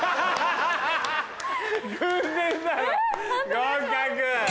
合格。